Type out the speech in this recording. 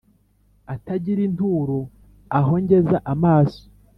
atagira inturo aho ngeza amaso